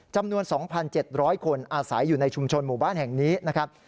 จำนวน๒๗๐๐คนอาศัยอยู่ในชุมชนหมู่บ้านแห่งนี้นะครับ